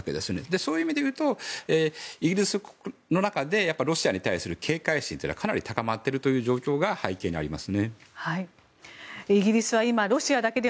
そういう意味で言うとイギリスの中でロシアに対する警戒心は高まるという状況が背景にあります。